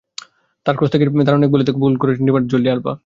তাঁর ক্রস থেকেই দারুণ এক ভলিতে গোল করেছেন ডিফেন্ডার জর্ডি আলবা।